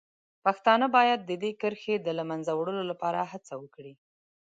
پښتانه باید د دې کرښې د له منځه وړلو لپاره هڅه وکړي.